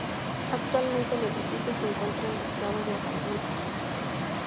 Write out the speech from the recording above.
Actualmente el edificio se encuentra en estado de abandono.